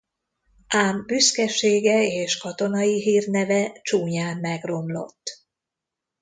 Ám büszkesége és katonai hírneve csúnyán megromlott.